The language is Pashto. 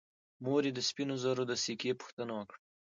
مور یې د سپینو زرو د سکې پوښتنه وکړه.